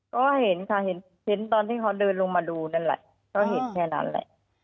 ก็เห็นค่ะเห็นตอนที่เขาเดินลงมาดูนั่นแหละก็เห็นแค่นั้นแหละ